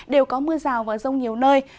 đều có mưa rào và rông nhiều nơi